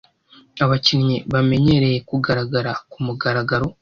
Abakinnyi bamenyereye kugaragara kumugaragaro.